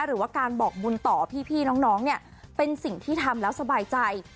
หรือว่าการบอกบุญต่อพี่น้องเนี่ยเป็นสิ่งที่ทำแล้วสบายใจ